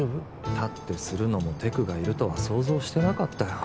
立ってするのもテクがいるとは想像してなかったよ